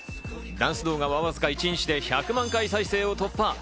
ダンス動画はわずか一日で１００万回再生を突破。